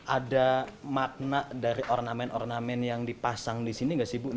ada makna dari ornamen ornamen yang dipasang di sini nggak sih bu